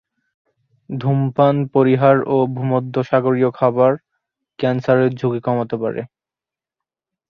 ধূমপান পরিহার ও ভূমধ্যসাগরীয় খাবার ক্যান্সারের ঝুঁকি কমাতে পারে।